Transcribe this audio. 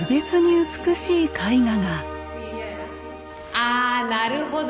あなるほど！